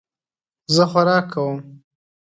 زۀ خواروک کۀ